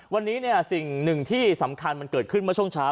วันนี้สิ่งหนึ่งที่สำคัญมันเกิดขึ้นเมื่อช่วงเช้า